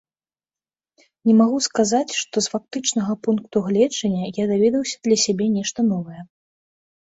Не магу сказаць, што з фактычнага пункту гледжання я даведаўся для сябе нешта новае.